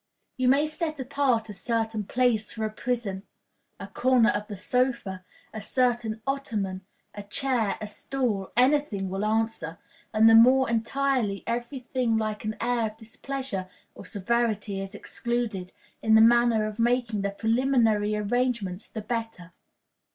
You may set apart a certain place for a prison a corner of the sofa, a certain ottoman, a chair, a stool, any thing will answer; and the more entirely every thing like an air of displeasure or severity is excluded, in the manner of making the preliminary arrangements, the better.